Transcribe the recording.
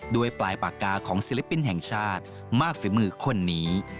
ด้วยปลายปากกาของศิลปินแห่งชาติมากฝีมือคนนี้